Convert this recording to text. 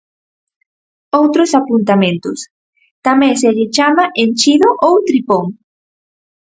Outros apuntamentos: Tamén se lle chama enchido ou tripón.